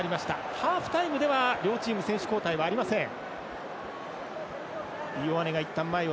ハーフタイムでは両チーム選手交代はありません。